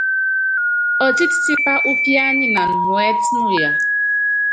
Ɔtɛ́t tipá úpíányinan muɛ́t nuya.